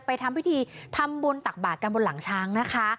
ทำพิธีทำบุญตักบาทกันบนหลังช้างนะคะ